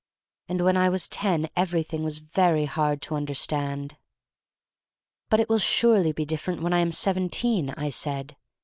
And when I was ten everything was very hard to understand. But it will surely be different when I am seventeen, I said.